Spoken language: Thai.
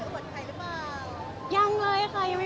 คุณภูมิได้ศึกษามาแล้วหรือเป็นสร้างการชุดอะไรอย่างนี้ที่เราใส่